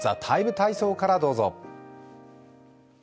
「ＴＨＥＴＩＭＥ，体操」からどうぞ。